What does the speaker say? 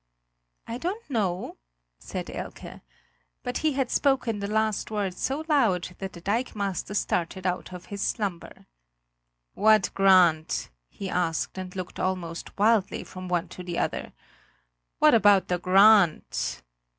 "I don't know," said Elke. But he had spoken the last word so loud that the dikemaster started out of his slumber. "What grant?" he asked and looked almost wildly from one to the other. "What about the grant?"